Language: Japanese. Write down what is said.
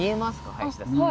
林田さん。